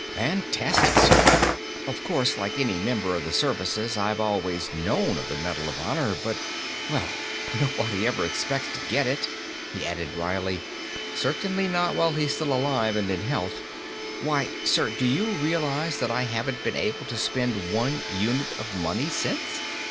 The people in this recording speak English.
"Fantastic, sir. Of course, like any member of the services I've always known of the Medal of Honor, but ... well, nobody ever expects to get it." He added wryly, "Certainly not while he's still alive and in health. Why, sir, do you realize that I haven't been able to spend one unit of money since?"